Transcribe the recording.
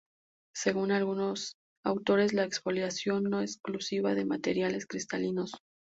Según algunos autores la exfoliación no es exclusiva de materiales cristalinos.